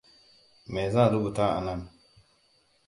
Me zan rubuta a nan?